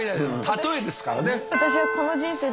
例えですからね。